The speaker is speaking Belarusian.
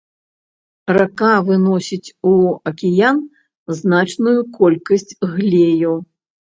Рака выносіць у акіян значную колькасць глею.